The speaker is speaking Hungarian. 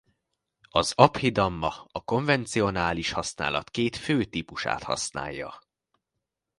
Az Abhidhamma a konvencionális használat két fő típusát használja.